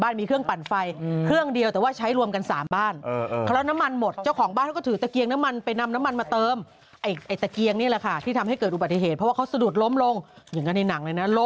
นี่เป็นท่อหรอเขาเอาว่าท่อไว้อีกทีหนึ่ง